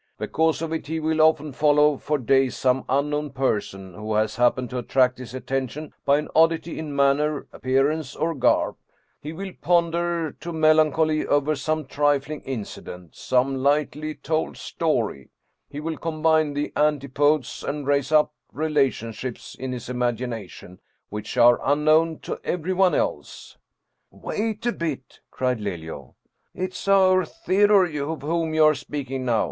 Because of it he will often follow for days some unknown person who has happened to attract his attention by an oddity in manner, appearance, or garb; he will ponder to melancholy over some trifling incident, some lightly told story ; he will com bine the antipodes and raise up relationships in his imag ination which are unknown to everyone else." " Wait a bit," cried Lelio. " It is our Theodore of whom you are speaking now.